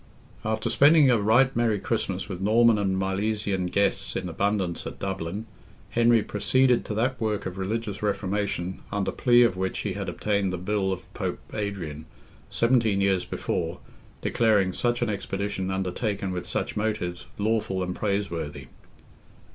After spending a right merry Christmas with Norman and Milesian guests in abundance at Dublin, Henry proceeded to that work of religious reformation, under plea of which he had obtained the Bill of Pope Adrian, seventeen years before, declaring such an expedition undertaken with such motives, lawful and praiseworthy.